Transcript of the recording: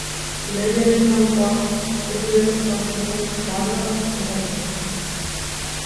Irailaren laukoa ez du erraz ahaztuko Barbara kazetariak.